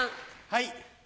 はい。